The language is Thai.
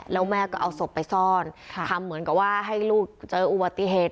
แล้วแม่ก็เอาศพไปซ่อนทำเหมือนกับว่าให้ลูกเจออุบัติเหตุ